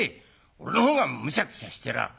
俺のほうがむしゃくしゃしてらぁ。